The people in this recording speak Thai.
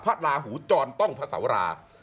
พระลาหูจรต้องพระเสารา